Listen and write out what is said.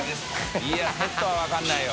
いセットは分からないよ。